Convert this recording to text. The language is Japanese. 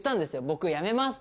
僕辞めます！